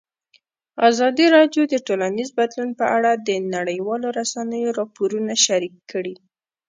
ازادي راډیو د ټولنیز بدلون په اړه د نړیوالو رسنیو راپورونه شریک کړي.